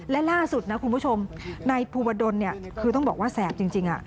และล่าสุดนะคุณผู้ชมนายภูวดลคือต้องบอกว่าแสบจริง